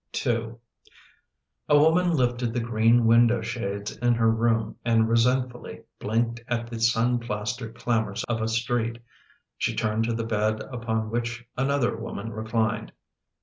II J\ WOMAN lifted the green window shades in her room and resentfully blinked at the sun plastered clam ours of a street. She turned to the bed upon which another woman reclined.